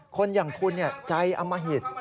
คนอย่างคุณใจอมหิต